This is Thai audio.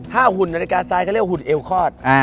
ถ้าหุ่นนาฬิกาทรายก็เรียกว่าหุ่น๗๐๐บาท